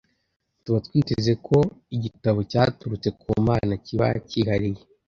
Tuba twiteze ko igitabo cyaturutse ku Mana kiba cyihariye